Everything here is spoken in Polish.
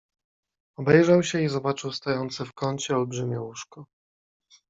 "Obejrzał się i zobaczył stojące w kącie olbrzymie łóżko."